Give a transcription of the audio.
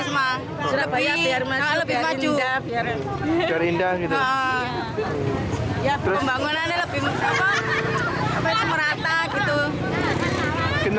soalnya tiap pagi kan sudah berangkat duluan dari rumah gitu